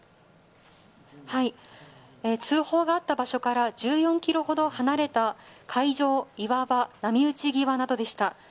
通報があった場所から１４ｋｍほど離れた海上岩場、波打ち際などでした。